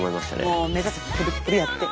もう目指せプルプルやって！